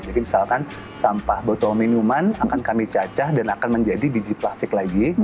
jadi misalkan sampah botol minuman akan kami cacah dan akan menjadi biji plastik lagi